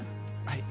はい。